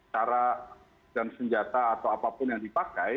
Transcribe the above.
cara dan senjata atau apapun yang dipakai